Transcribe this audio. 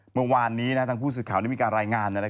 เมื่อวานนี้ทางผู้สื่อข่าวได้มีการรายงาน